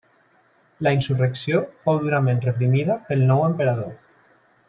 La insurrecció fou durament reprimida pel nou emperador.